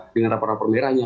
dengan rapor rapor merahnya